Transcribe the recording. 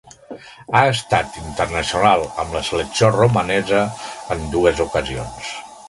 Ha estat internacional amb la selecció romanesa en dues ocasions.